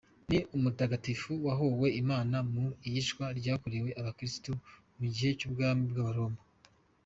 Ni umutagatifu wahowe Imana mu iyicwa ryakorewe abakirisitu mu gihe cy’ubwami bw’Abaromani.